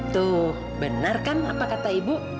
tuh benar kan apa kata ibu